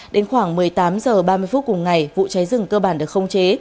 đến khoảng một mươi tám h ba mươi phút cùng ngày vụ cháy rừng cơ bản được không chế